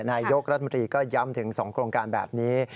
นายกรัฐมนตรีก็ย้ำถึง๒โครงการแบบนี้